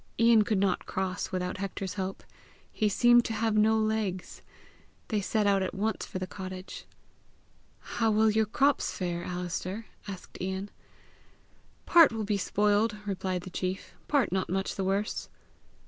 Ian could not cross without Hector's help; he seemed to have no legs. They set out at once for the cottage. "How will your crops fare, Alister?" asked Ian. "Part will be spoiled," replied the chief; "part not much the worse."